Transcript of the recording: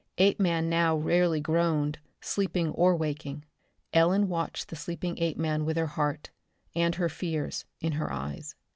Apeman now rarely groaned, sleeping or waking. Ellen watched the sleeping Apeman with her heart and her fears in her eyes.